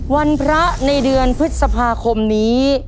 วันพระในเดือนพฤษภาคมนี้